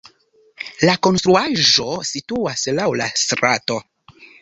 La konstruaĵo situas laŭ la strato.